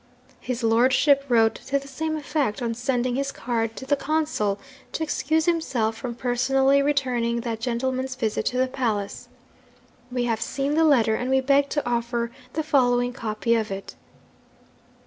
His lordship wrote to the same effect on sending his card to the consul, to excuse himself from personally returning that gentleman's visit to the palace. We have seen the letter, and we beg to offer the following copy of it.